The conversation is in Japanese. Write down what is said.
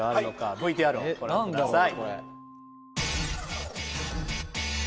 ＶＴＲをご覧ください。